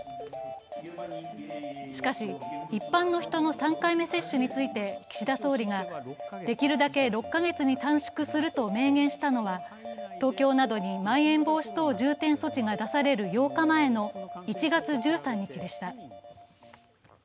しかし、一般の人の３回目接種について岸田総理が、できるだけ６カ月に短縮すると明言したのは、東京などにまん延防止等重点措置が出される８日前の１月１３日でした。